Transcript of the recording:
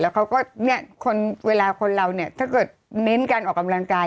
แล้วเขาก็เวลาคนเราถ้าเกิดเน้นกับออกกำลังกาย